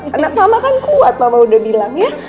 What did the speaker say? karena mama kan kuat mama udah bilang ya